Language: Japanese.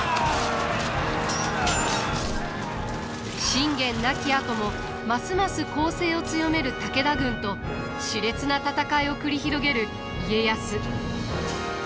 信玄亡きあともますます攻勢を強める武田軍としれつな戦いを繰り広げる家康。